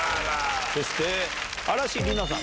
そして、嵐莉菜さん